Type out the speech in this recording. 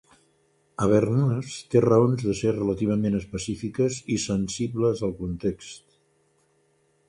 Habermas té raons de ser relativament específiques i sensibles al context.